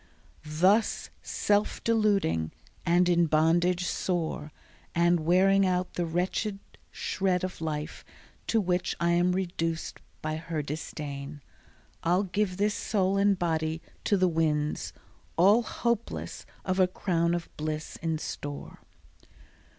Thus, self deluding, and in bondage sore, And wearing out the wretched shred of life To which I am reduced by her disdain, I'll give this soul and body to the winds, All hopeless of a crown of bliss in store.